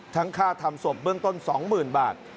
ทั้งค่าทำศพเบื้องต้น๒หมื่นบาท